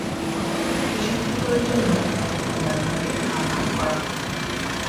কৃষ্ণগহ্বরের অন্য রকম ব্যবহারের ধারণাও করা হয়েছে।